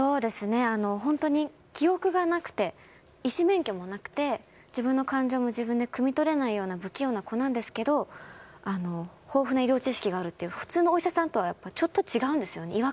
本当に記憶がなくて医師免許もなくて自分の感情も自分でくみ取れないような不器用な子なんですけど豊富な医療知識があるっていう普通のお医者さんとちょっと違うんですね。